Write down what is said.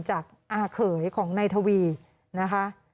อาเขยของนายทวีนะคะ